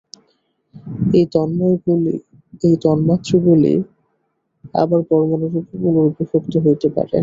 এই তন্মাত্রগুলি আবার পরমাণুরূপে পুনর্বিভক্ত হইতে পারে।